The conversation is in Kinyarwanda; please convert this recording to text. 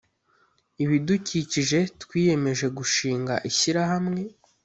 ibidukikije twiyemeje gushinga ishyirahamwe